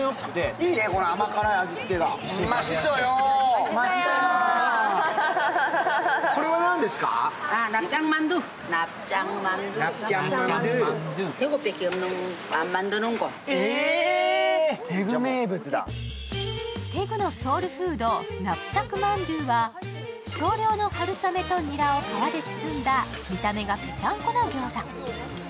いいね、この甘辛い味付けがテグのソウルフード、ナプチャクマンドゥは少量の春雨とニラを皮で包んだ見た目がぺちゃんこのギョーザ。